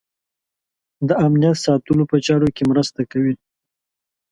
د امنیت ساتلو په چارو کې مرسته کوي.